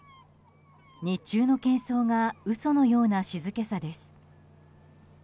日中の喧騒が嘘のような静けさです。